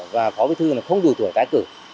và phó bí thư không đủ tuổi tái cử